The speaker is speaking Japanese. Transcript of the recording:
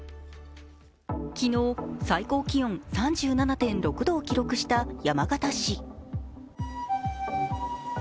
昨日、最高気温３７．６度を記録した山形市。